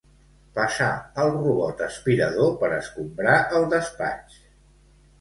Passar el robot aspirador per escombrar el despatx.